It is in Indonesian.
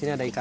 ini ada ikan